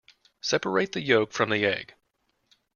Separate the yolk from the egg.